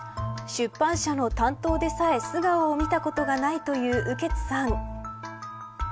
出版社の担当でさえ素顔を見たことがないという雨穴さん。